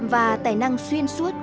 và tài năng xuyên suốt